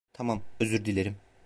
Tamam, özür dilerim.